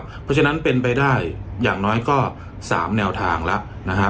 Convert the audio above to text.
เพราะฉะนั้นเป็นไปได้อย่างน้อยก็๓แนวทางแล้วนะครับ